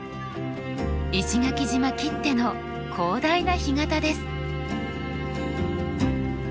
石垣島きっての広大な干潟です。